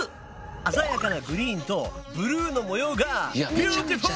鮮やかなグリーンとブルーの模様がビューティフル！